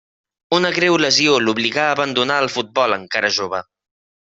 Una greu lesió l'obligà a abandonar el futbol encara jove.